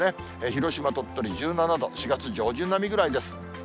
広島、鳥取１７度、４月上旬並みぐらいです。